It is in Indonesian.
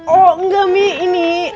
oh enggak mie ini